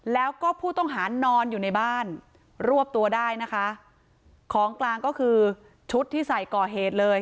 แล้วก็ผู้ต้องหานอนอยู่ในบ้านรวบตัวได้นะคะของกลางก็คือชุดที่ใส่ก่อเหตุเลย